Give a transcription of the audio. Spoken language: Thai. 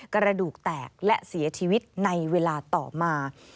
กระดูกแตกและเสียชีวิตในเวลาต่อมา